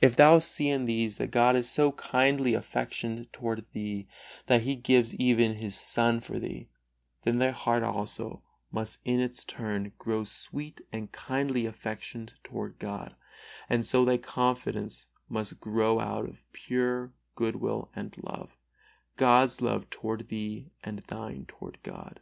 If thou see in these that God is so kindly affectioned toward thee that He gives even His Son for thee, then thy heart also must in its turn grow sweet and kindly affectioned toward God, and so thy confidence must grow out of pure good will and love God's love toward thee and thine toward God.